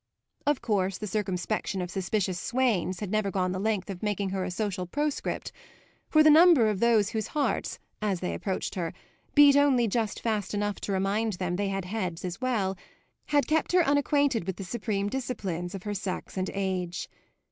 Of course the circumspection of suspicious swains had never gone the length of making her a social proscript; for the number of those whose hearts, as they approached her, beat only just fast enough to remind them they had heads as well, had kept her unacquainted with the supreme disciplines of her sex and age.